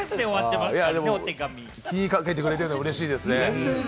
でも気にかけてくれてうれしいですね。